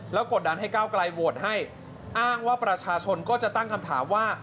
แล้วกดดันให้ก้าวไกลโหวตให้อ้างว่าประชาชนก็จะตั้งคำถามว่า